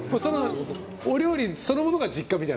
お料理そのものが実家みたいな？